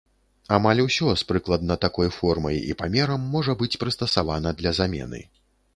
Амаль усё, з прыкладна такой формай і памерам можа быць прыстасавана для замены.